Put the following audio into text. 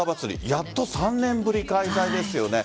やっと３年ぶり開催ですよね。